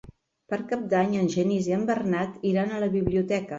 Per Cap d'Any en Genís i en Bernat iran a la biblioteca.